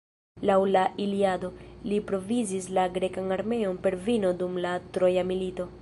Laŭ la Iliado, li provizis la grekan armeon per vino dum la troja milito.